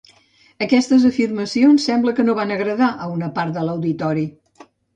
Aquestes afirmacions sembla que no van agradar a una part de l'auditori.